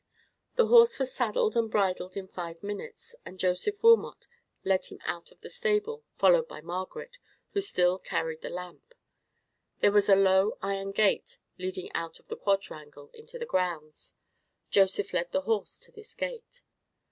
The horse was saddled and bridled in five minutes, and Joseph Wilmot led him out of the stable, followed by Margaret, who still carried the lamp. There was a low iron gate leading out of the quadrangle into the grounds. Joseph led the horse to this gate.